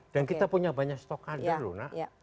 dan kita punya banyak stok kader loh nak